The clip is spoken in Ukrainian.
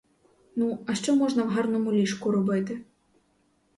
Ну, а що можна в гарному ліжку робити?